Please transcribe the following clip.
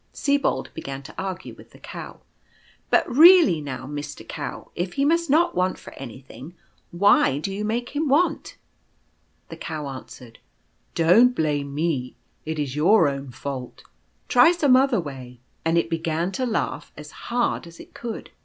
Sibold began to argue with the Cow :" But really now, Mister Cow, if he must not want for anything, why do you make him want ?" The Cow answered :" Don't blame me. It is your ; i own fault. Try some other way ;" and it began to laugh as hard as it could.